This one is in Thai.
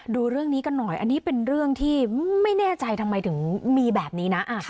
ดูเรื่องนี้กันหน่อยอันนี้เป็นเรื่องที่ไม่แน่ใจทำไมถึงมีแบบนี้นะ